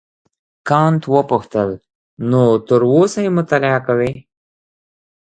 کانت وپوښتل نو تر اوسه یې مطالعه کوې.